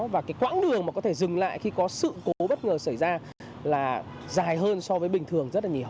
và cái quãng đường mà có thể dừng lại khi có sự cố bất ngờ xảy ra là dài hơn so với bình thường rất là nhiều